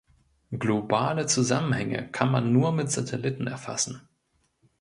Globale Zusammenhänge kann man nur mit Satelliten erfassen.